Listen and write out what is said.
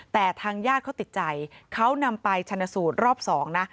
แต่ทางญาติเขาติดใจเขานำไปชนสูตรรอบ๒นะ